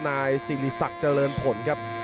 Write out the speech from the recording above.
นายสิริศักดิ์เจริญผลครับ